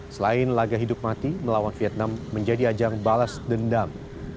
selain laga hidup mati melawan vietnam menjadi ajang balas dendam